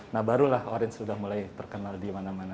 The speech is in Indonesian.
nah barulah orange sudah mulai terkenal di mana mana